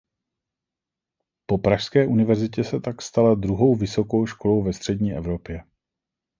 Po pražské univerzitě se tak stala druhou vysokou školou ve střední Evropě.